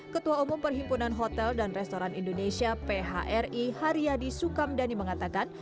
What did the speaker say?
ketua umum perhimpunan hotel dan restoran indonesia phri haryadi sukamdhani mengatakan